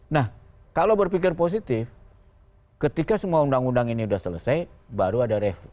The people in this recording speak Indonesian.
nah kalau berpikir positif ketika semua undang undang ini sudah selesai baru ada revisi